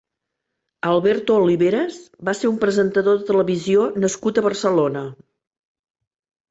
Alberto Oliveras va ser un presentador de televisió nascut a Barcelona.